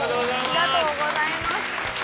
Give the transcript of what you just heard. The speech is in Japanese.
ありがとうございます。